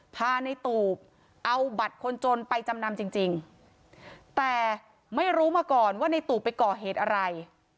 พาในตูบเอาบัตรคนจนไปจำนำจริงแต่ไม่รู้มาก่อนว่าในตูบไปก่อเหตุอะไร